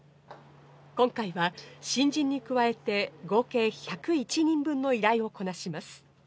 今回は新人に加えて合計１０１人分の依頼をこなします。